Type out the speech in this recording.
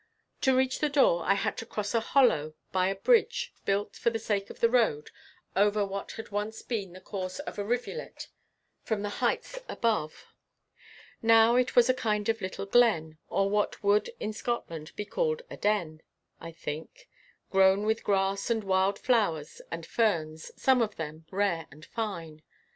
To reach the door, I had to cross a hollow by a bridge, built, for the sake of the road, over what had once been the course of a rivulet from the heights above. Now it was a kind of little glen, or what would in Scotland be called a den, I think, grown with grass and wild flowers and ferns, some of them, rare and fine.